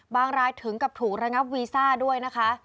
รายถึงกับถูกระงับวีซ่าด้วยนะคะ